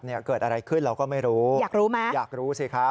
เกิดอะไรขึ้นเราก็ไม่รู้อยากรู้ไหมอยากรู้สิครับ